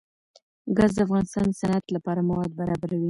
ګاز د افغانستان د صنعت لپاره مواد برابروي.